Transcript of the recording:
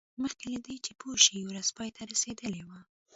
مخکې له دې چې پوه شي ورځ پای ته رسیدلې وه